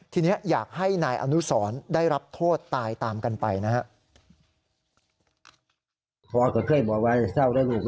ทีนี้อยากให้นายอนุสรได้รับโทษตายตามกันไปนะครับ